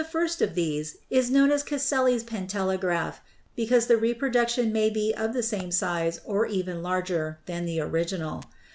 first of these is known as Casselli's pantelegraph, because the reproduction may be of the same size or even larger than the original.